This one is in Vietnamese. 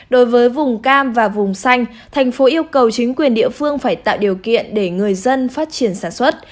đối với vùng cam và vùng xanh thành phố yêu cầu chính quyền địa phương phải tạo điều kiện để người dân phát triển sản xuất